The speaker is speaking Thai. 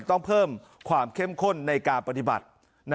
ต้องเพิ่มความเข้มข้นในการปฏิบัติ